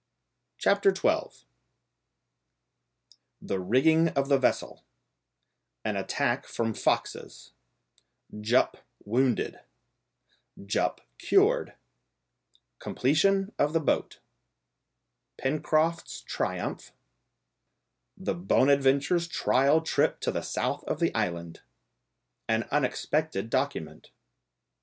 CHAPTER XII The Rigging of the Vessel An Attack from Foxes Jup wounded Jup cured Completion of the Boat Pencroft's Triumph The Bonadventure's trial Trip to the South of the Island An unexpected Document.